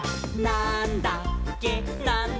なんだっけ？！」